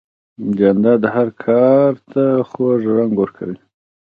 جانداد هر کار ته خوږ رنګ ورکوي.